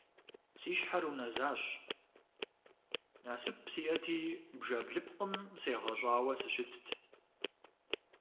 Си щхьэр унэзащ, насып сиӀэти бжэблыпкъым сегъэщӀауэ сыщытт.